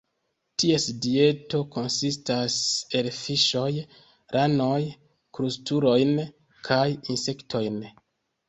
Ties dieto konsistas el fiŝoj, ranoj, krustulojn kaj insektojn.